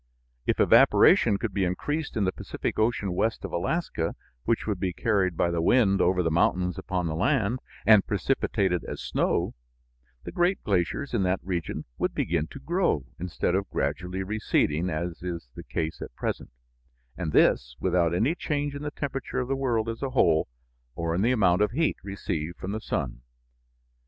If evaporation could be increased in the Pacific Ocean west of Alaska, which would be carried by the wind over the mountains upon the land, and precipitated as snow, the great glaciers in that region would begin to grow instead of gradually receding, as is the case at present, and this without any change in the temperature of the world as a whole or in the amount of heat received from the sun.